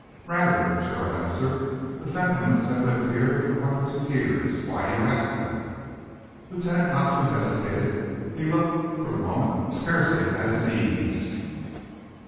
"Rather!" Gerald answered. "The Fentolins have lived here for hundreds of years. Why do you ask that?" Lieutenant Godfrey hesitated. He looked, for the moment, scarcely at his ease.